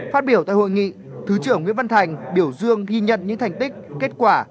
phát biểu tại hội nghị thứ trưởng nguyễn văn thành biểu dương ghi nhận những thành tích kết quả